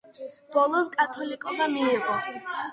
ბოლოს კათოლიკობა მიიღო.